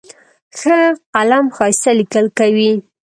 ښه قلم ښایسته لیکل کوي.